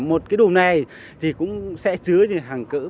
một cái đùm này thì cũng sẽ chứa thì hàng cữ